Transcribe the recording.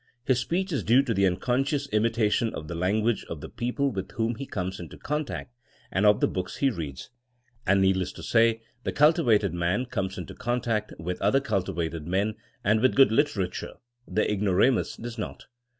His speech is due to unconscious imitation of the language of the people with whom he comes into contact, and of the books he reads. And needless to say, the cultivated man comes into contact with other cultivated men and with good literature ; the ig noramus does not.